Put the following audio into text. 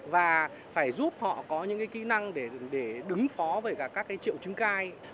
và phải giúp họ có những cái kỹ năng để đứng phó với cả các cái triệu chứng cai